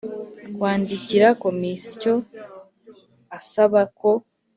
Kwandikira komisyo asaba ko